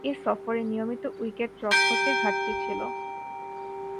এ সফরে নিয়মিত উইকেট-রক্ষকের ঘাটতি ছিল।